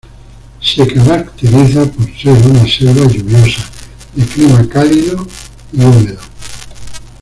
Se caracteriza por ser una selva lluviosa, de clima cálido y húmedo.